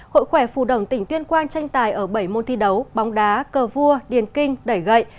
hội khỏe phù đồng tỉnh tuyên quang tranh tài ở bảy môn thi đấu bóng đá cờ vua điền kinh đẩy gậy